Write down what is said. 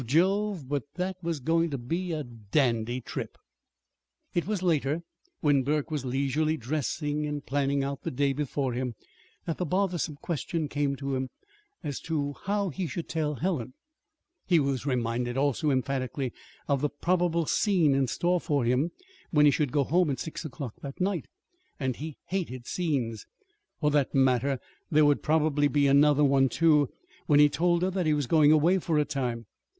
Jove, but that was going to be a dandy trip! It was later, while Burke was leisurely dressing and planning out the day before him, that the bothersome question came to him as to how he should tell Helen. He was reminded, also, emphatically, of the probable scene in store for him when he should go home at six o'clock that night. And he hated scenes. For that matter, there would probably be another one, too, when he told her that he was going away for a time.